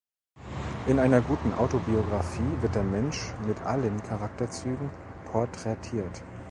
In einer guten Autobiografie wird der Mensch mit allen Charakterzügen porträtiert.